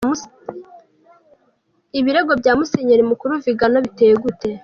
Ibirego bya Musenyeri mukuru Vigano biteye gute?.